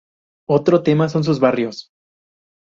Otro tema son sus barrios.